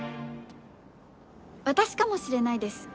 私かもしれないです